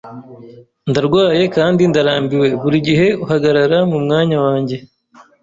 Ndarwaye kandi ndarambiwe burigihe uhagarara mumwanya wanjye.